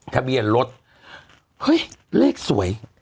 ทะเบียนรถเฮ้ยเลขสวย